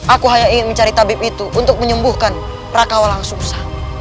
aku hanya ingin mencari tabib itu untuk menyembuhkan prakawal yang susah